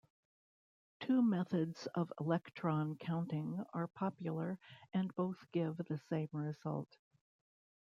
Two methods of electron counting are popular and both give the same result.